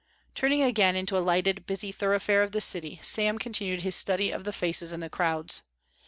Turning again into a lighted busy thoroughfare of the city, Sam continued his study of the faces in the crowds.